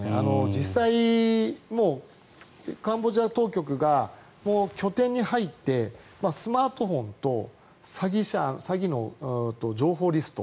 実際、もうカンボジア当局が拠点に入ってスマートフォンと詐欺の情報リスト